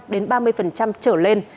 đến ba mươi trở lên